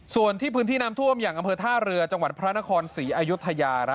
ส่วนที่พื้นที่น้ำท่วมอย่างอำเภอท่าเรือจังหวัดพระนครศรีอายุทยา